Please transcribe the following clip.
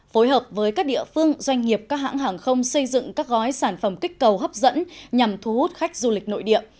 phối hợp với các địa phương doanh nghiệp các hãng hàng không xây dựng các gói sản phẩm kích cầu hấp dẫn nhằm thu hút khách du lịch nội địa